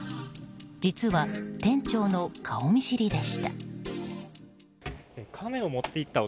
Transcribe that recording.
実は、店長の顔見知りでした。